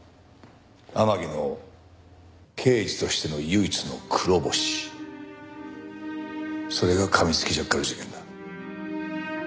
天樹の刑事としての唯一の黒星それがかみつきジャッカル事件だ。